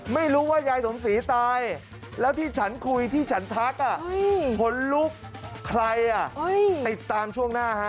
ไม่รู้ว่ายายสมศรีตายแล้วที่ฉันคุยที่ฉันทักขนลุกใครอ่ะติดตามช่วงหน้าฮะ